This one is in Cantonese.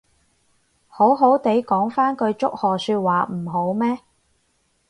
好好哋講返句祝賀說話唔好咩